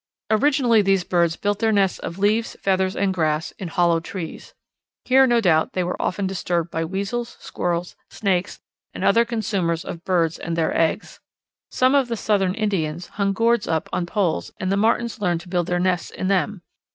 Originally these birds built their nests of leaves, feathers, and grass, in hollow trees. Here no doubt they were often disturbed by weasels, squirrels, snakes, and other consumers of birds and their eggs. Some of the southern Indians hung gourds up on poles and the Martins learned to build their nests in them.